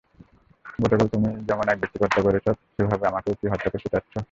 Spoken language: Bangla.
গতকাল তুমি যেমন একব্যক্তিকে হত্যা করেছ, সেভাবে আমাকেও কি হত্যা করতে চাচ্ছ!